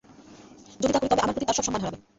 যদি তা করি, তবে আমার প্রতি তার সব সম্মান হারাবে।